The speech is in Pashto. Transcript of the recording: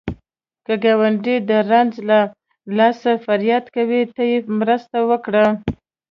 که ګاونډی د رنځ له لاسه فریاد کوي، ته یې مرسته وکړه